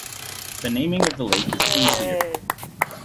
The naming of the lake is unclear.